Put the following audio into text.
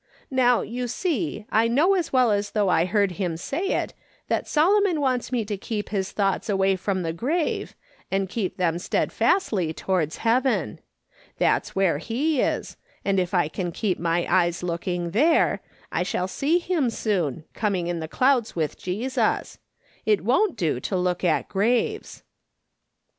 Now, you see, I know as well as though I heard him say it, that Solomon wants me to keep my thoughts away from the grave, and keep them steadfastly toward heaven. That's where he is, and if I can keep my eyes looking there, I shall ^'duliverance:' 315 see him soon, cominji in the cloiuls with Jesus. It don't do to look at graves."